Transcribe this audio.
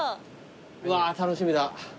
うわ楽しみだ。